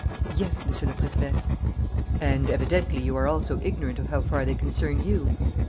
"Yes, Monsieur le Préfet." "And evidently you are also ignorant of how far they concern you?"